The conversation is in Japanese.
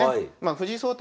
藤井聡太